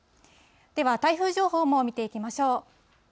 では、台風情報も見ていきましょう。